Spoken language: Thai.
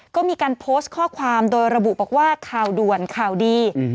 ก็มีการโพสต์ข้อความโดยระบุบอกว่าข่าวด่วนข่าวดี